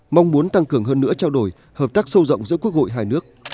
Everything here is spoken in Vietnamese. mong muốn tăng cường hơn nữa trao đổi hợp tác sâu rộng giữa quốc hội hai nước